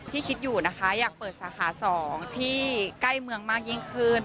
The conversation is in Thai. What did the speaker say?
คิดอยู่นะคะอยากเปิดสาขา๒ที่ใกล้เมืองมากยิ่งขึ้น